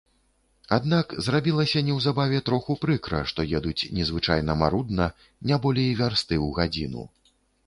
Аднак зрабілася неўзабаве троху прыкра, што едуць незвычайна марудна, не болей вярсты ў гадзіну.